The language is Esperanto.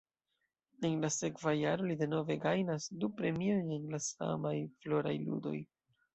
En la sekva jaro li denove gajnas du premiojn en la samaj Floraj Ludoj.